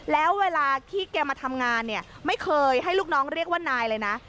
แล้วเวลาที่แกมาทำงานเนี่ยไม่เคยให้ลูกน้องเรียกว่านายเลยนะ